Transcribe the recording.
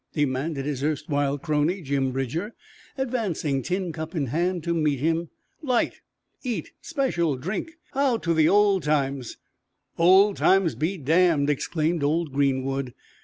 demanded his erstwhile crony, Jim Bridger, advancing, tin cup in hand, to meet him. "Light. Eat. Special, drink. How to the old times!" "Old times be damned!" exclaimed Old Greenwood.